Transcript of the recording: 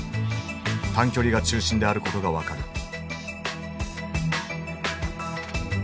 短距離が中心であることが分かる。